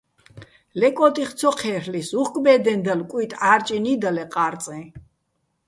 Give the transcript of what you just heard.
ლე კო́ტიხ ცო ჴე́რლ'ისო̆, უ̂ხკ ბე́დეჼ დალო̆, კუჲტი ჺარჭინი́ და ლე ყა́რწეჼ.